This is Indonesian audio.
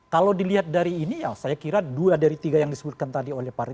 kalau dilihat dari ini ya saya kira dua dari tiga yang disebutkan tadi oleh partai